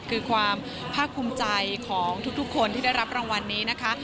คือความภาคภูมิใจของทุกคนที่ได้รับรางวัลนี้นะคะ